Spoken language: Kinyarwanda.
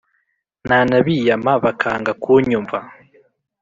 nanabiyama bakanga kunyumva